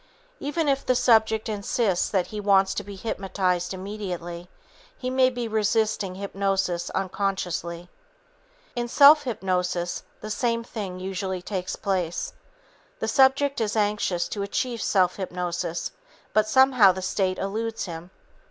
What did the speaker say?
Even if the subject insists that he wants to be hypnotized immediately, he may be resisting hypnosis unconsciously. In self hypnosis the same thing usually takes place. The subject is anxious to achieve self hypnosis, but somehow the state eludes him.